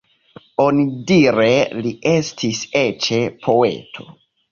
Onidire li estis eĉ poeto.